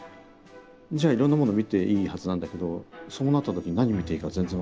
じゃあいろんなもの見ていいはずなんだけどそうなった時に何見ていいか全然分かんないみたいな。